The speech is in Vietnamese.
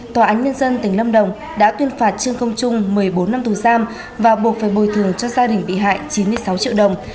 tòa án nhân dân tỉnh lâm đồng đã tuyên phạt trương công trung một mươi bốn năm tù giam và buộc phải bồi thường cho gia đình bị hại chín mươi sáu triệu đồng